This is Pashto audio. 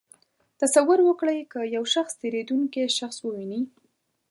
تصور وکړئ که یو شخص تېرېدونکی شخص وویني.